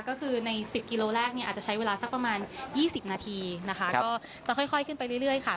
ก็คือใน๑๐กิโลแรกเนี่ยอาจจะใช้เวลาสักประมาณ๒๐นาทีนะคะก็จะค่อยขึ้นไปเรื่อยค่ะ